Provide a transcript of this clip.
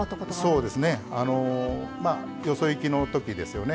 そうですねまあよそいきのときですよね。